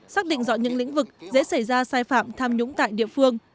xác định rõ những lĩnh vực dễ xảy ra sai phạm tham nhũng tại địa phương